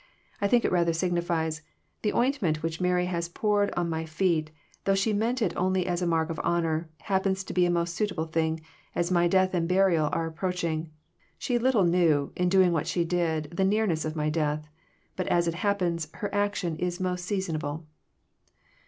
I think it rather signifies, *' The ointment which Mary has poured on my feet, though she meant it only as a mark of honour, happens to be a most suitable thing, as my death and burial are approach ing. She little knew, in doing what she did, the nearness of my death ; but, as it happens, her action is most seasonable."